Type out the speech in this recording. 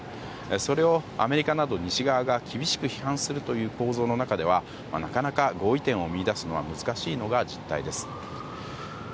それをアメリカなど西側が厳しく批判するという構図の中ではなかなか合意点を見いだすのは難しいのが実態です。